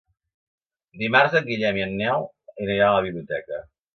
Dimarts en Guillem i en Nel aniran a la biblioteca.